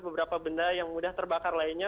beberapa benda yang mudah terbakar lainnya